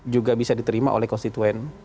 juga bisa diterima oleh konstituen